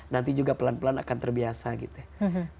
nanti juga pelan pelan akan terbiasa gitu ya